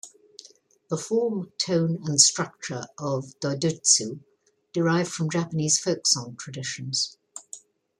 The form, tone and structure of Dodoitsu derive from Japanese folk song traditions.